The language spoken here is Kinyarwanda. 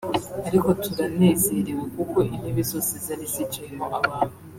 ariko turanezerewe kuko intebe zose zari zicayemo abantu